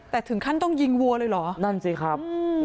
แต่ถึงขั้นต้องยิงวัวเลยเหรอนั่นสิครับ